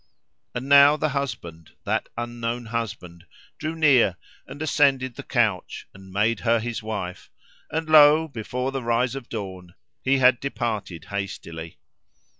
And now the husband, that unknown husband, drew near, and ascended the couch, and made her his wife; and lo! before the rise of dawn he had departed hastily.